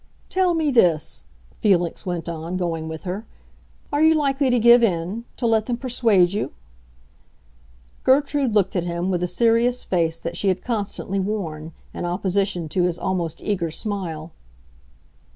"Tell me this," Felix went on, going with her: "are you likely to give in—to let them persuade you?" Gertrude looked at him with the serious face that she had constantly worn, in opposition to his almost eager smile.